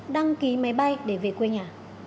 đăng ký máy bay để về quê nhà